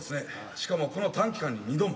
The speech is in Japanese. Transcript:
しかもこの短期間に二度も。